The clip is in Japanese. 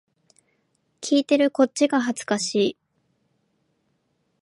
聞いてるこっちが恥ずかしい